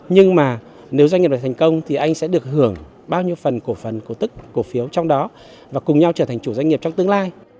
nhưng mà nếu doanh nghiệp được thành công thì anh sẽ được hưởng bao nhiêu phần cổ phần cổ tức cổ phiếu trong đó và cùng nhau trở thành chủ doanh nghiệp trong tương lai